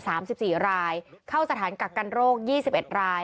สามสิบสี่รายเข้าสถานกักกันโรคยี่สิบเอ็ดราย